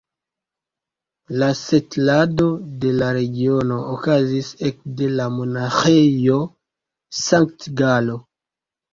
La setlado de la regiono okazis ek de la Monaĥejo Sankt-Galo.